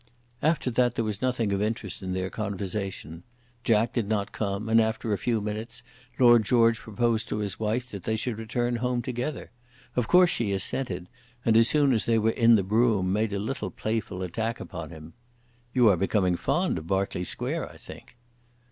After that there was nothing of interest in their conversation. Jack did not come, and after a few minutes Lord George proposed to his wife that they should return home together. Of course she assented, and as soon as they were in the brougham made a little playful attack upon him. "You are becoming fond of Berkeley Square, I think."